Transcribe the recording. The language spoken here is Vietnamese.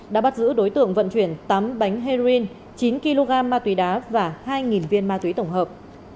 đã bắt giữ đối tượng vận chuyển tám bánh heroin chín kg ma túy đá và hai viên ma túy tổng hợp